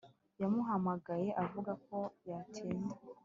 yamuhamagaye avuga ko yatinda